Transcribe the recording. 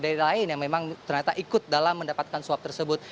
dari lain yang memang ternyata ikut dalam mendapatkan suap tersebut